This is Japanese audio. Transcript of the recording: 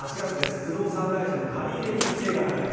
不動産会社の借り入れに規制が入ります。